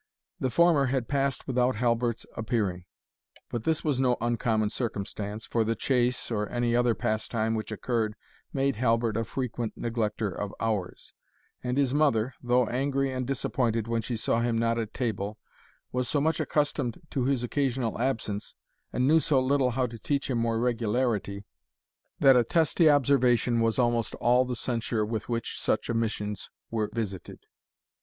The former had passed without Halbert's appearing; but this was no uncommon circumstance, for the chase, or any other pastime which occurred, made Halbert a frequent neglecter of hours; and his mother, though angry and disappointed when she saw him not at table, was so much accustomed to his occasional absence, and knew so little how to teach him more regularity, that a testy observation was almost all the censure with which such omissions were visited.